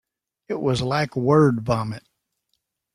It was like word vomit.